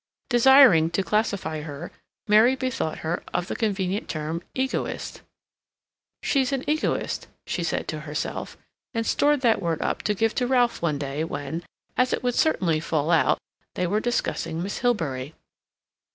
Desiring to classify her, Mary bethought her of the convenient term "egoist." "She's an egoist," she said to herself, and stored that word up to give to Ralph one day when, as it would certainly fall out, they were discussing Miss Hilbery.